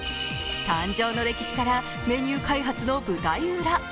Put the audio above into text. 誕生の歴史からメニュー開発の舞台裏